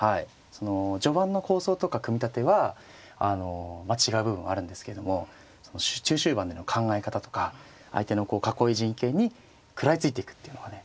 その序盤の構想とか組み立ては違う部分はあるんですけども中終盤での考え方とか相手のこう囲い陣形に食らいついていくっていうのがね